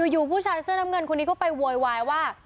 อยู่ผู้ชายเสื้อน้ำเงินคนนี้ก็ไปโวยวายว่า